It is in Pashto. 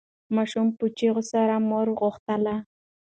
ماشوم په چیغو سره مور غوښتله.